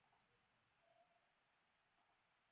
El 'Gral.